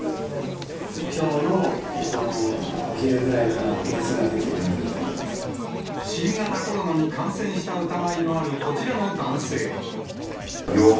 きょうのお昼ぐらいから、新型コロナに感染した疑いのあるこちらの男性。